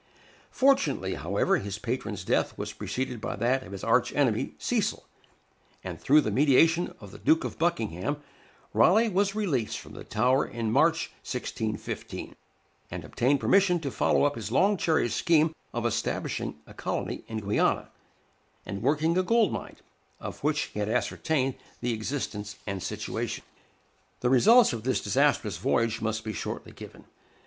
Fortunately, however, his patron's death was preceded by that of his arch enemy, Cecil; and through the mediation of the Duke of Buckingham, Raleigh was released from the Tower in March, 1615; and obtained permission to follow up his long cherished scheme of establishing a colony in Guiana, and working a gold mine, of which he had ascertained the existence and situation. The results of this disastrous voyage must be shortly given.